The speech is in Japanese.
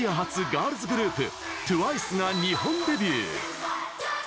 ガールズグループＴＷＩＣＥが日本デビュー。